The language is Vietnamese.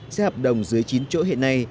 xe hợp đồng dưới chín chỗ hiện nay